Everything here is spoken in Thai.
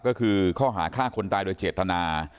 ก็คือข้อหาฆ่าคนตายโดยเจตนา